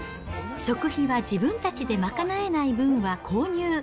食費は自分たちで賄えない分は購入。